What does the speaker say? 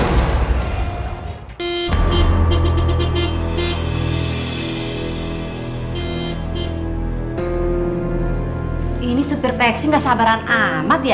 ini supir taksi gak sabaran amat ya